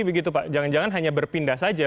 begitu pak jangan jangan hanya berpindah saja